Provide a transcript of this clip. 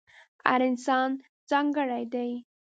هر انسان ځانګړی دی.